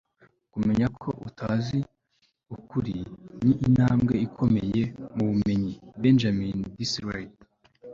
kumenya ko utazi ukuri ni intambwe ikomeye mu bumenyi. - benjamin disraeli